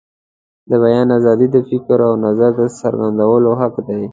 د بیان آزادي د فکر او نظر د څرګندولو حق دی.